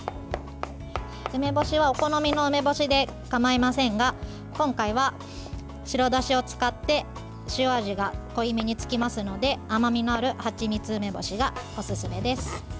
梅干しはお好みの梅干しでかまいませんが今回は白だしを使って塩味が濃いめにつきますので甘みのあるはちみつ梅干しがおすすめです。